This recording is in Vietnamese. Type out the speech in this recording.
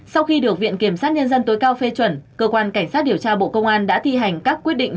sau khi được viện kiểm sát nhân dân tối cao phê chuẩn cơ quan cảnh sát điều tra bộ công an đã thi hành các quyết định